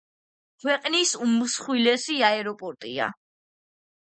ქვეყნის უმსხვილესი აეროპორტია.